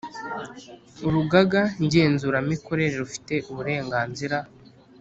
Urugaga ngenzuramikorere rufite uburenganzira